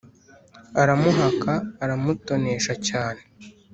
aramuhaka, aramutonesha cyane.